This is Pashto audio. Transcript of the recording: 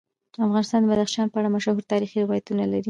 افغانستان د بدخشان په اړه مشهور تاریخی روایتونه لري.